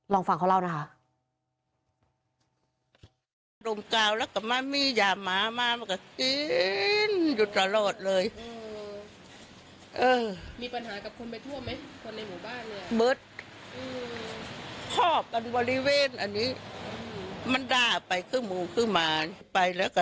ลองฟังเขาเล่านะคะ